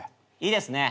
いいですね。